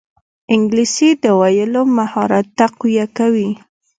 انګلیسي د ویلو مهارت تقویه کوي